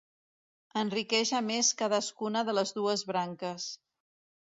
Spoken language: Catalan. Enriqueix a més cadascuna de les dues branques.